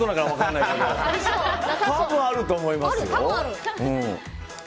多分、あると思いますよ。